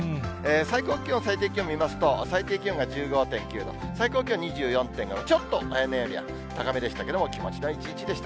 最高気温、最低気温見ますと、最低気温が１５．９度、最高気温２４．５度、ちょっと平年よりは高めでしたけれども、気持ちのいい一日でした。